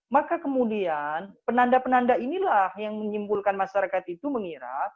maka kemudian penanda penanda inilah yang menyimpulkan masyarakat itu mengira